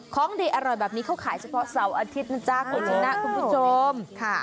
ข้องได้อร่อยแบบนี้เขาขายเฉพาะเซลาอาทิตย์นะจ๊ะคุณผู้ชม